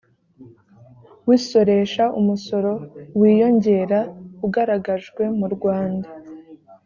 w isoresha umusoro w inyongera ugaragajwe mu rwanda